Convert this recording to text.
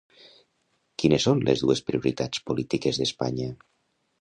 Quines són les dues prioritats polítiques d'Espanya?